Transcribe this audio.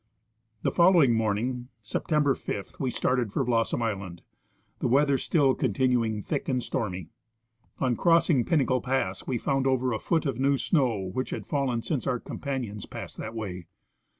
The following morning, September 5, we started for Blossom island, the weather still continuing thick and stormy. On cross ing Pinnacle pass we found over a foot of new snow which had fallen since our companions passed that way.